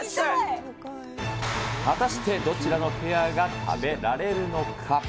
果たしてどちらのペアが食べられるのか？